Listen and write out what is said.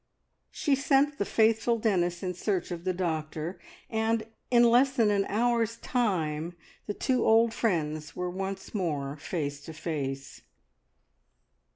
She sent the faithful Dennis in search of the doctor, and in less than an hour's time the two old friends were once more face to face.